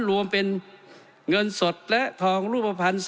รวมเป็นเงินสดและทองรูปภัณฑ์๓๓๕ล้านบาท